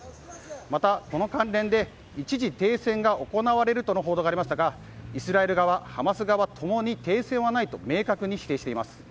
また、この関連で一時停戦が行われるとの報道がありましたがイスラエル側、ハマス側ともに停戦はないと報道しています。